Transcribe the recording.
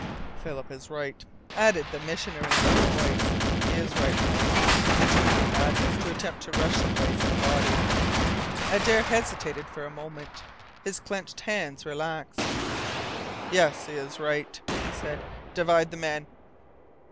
"Philip is right," added the Missioner in a low voice. "He is right, John. It would be madness to attempt to rush the place in a body." Adare hesitated for a moment. His clenched hands relaxed. "Yes, he is right," he said. "Divide the men."